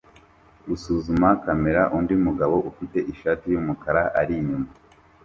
gusuzuma kamera undi mugabo ufite ishati yumukara ari inyuma